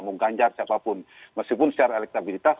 meskipun secara elektabilitas